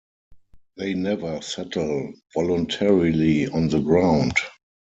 They never settle voluntarily on the ground.